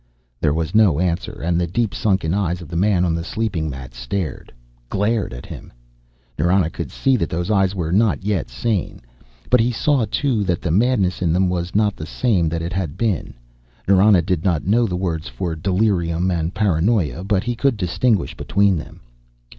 There was no answer, and the deep sunken eyes of the man on the sleeping mat stared, glared at him. Nrana could see that those eyes were not yet sane, but he saw, too, that the madness in them was not the same that it had been. Nrana did not know the words for delirium and paranoia, but he could distinguish between them.